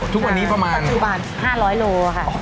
ทุกวันนี้ประมาณ๕๐๐โลกรัมค่ะถ้ามีความสุข